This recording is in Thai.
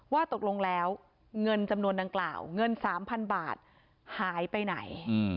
ว่าตกลงแล้วเงินจำนวนดังกล่าวเงิน๓๐๐๐บาทหายไปไหน